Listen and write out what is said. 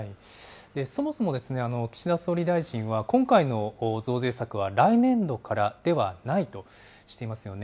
そもそも岸田総理大臣は、今回の増税策は来年度からではないとしていますよね。